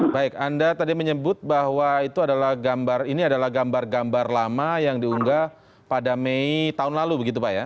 baik anda tadi menyebut bahwa itu adalah gambar ini adalah gambar gambar lama yang diunggah pada mei tahun lalu begitu pak ya